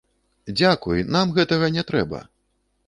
Дзякуй, нам гэтага не трэба!